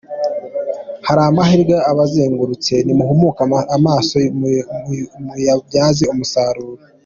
Hari amahirwe abazengurutse, nimuhumuke amaso muyabyaze umusaruro.